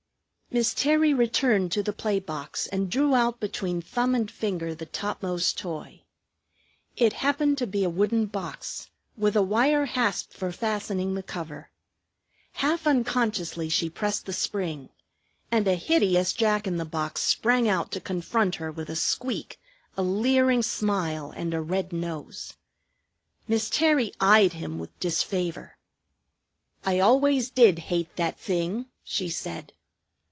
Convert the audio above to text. Miss Terry returned to the play box and drew out between thumb and finger the topmost toy. It happened to be a wooden box, with a wire hasp for fastening the cover. Half unconsciously she pressed the spring, and a hideous Jack in the box sprang out to confront her with a squeak, a leering smile, and a red nose. Miss Terry eyed him with disfavor. "I always did hate that thing," she said.